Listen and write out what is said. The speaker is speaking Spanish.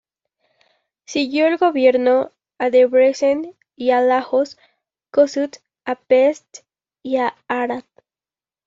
Siguió al gobierno a Debrecen y a Lajos Kossuth a Pest y a Arad.